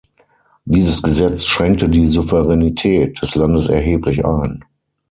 Dieses Gesetz schränkte die Souveränität des Landes erheblich ein.